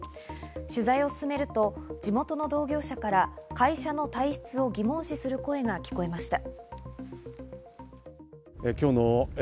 取材を進めると地元の同業者から会社の体質を疑問視する声が聞こえました。